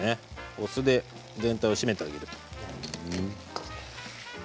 お酢で全体を締めてあげる。